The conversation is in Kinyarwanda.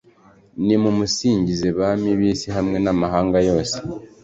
Nimumusingize bami b’isi hamwe n’amahanga yose